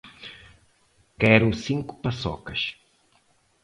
Quero cinco paçocas